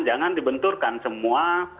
jangan dibenturkan semua